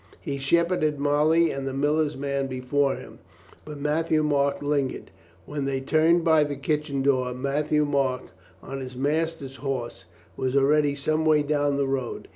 He shepherded Molly and the miller's man before him, but Matthieu Marc lingered. When they turned by the kitchen door Matthieu Marc on his master's horse was already some way down the road.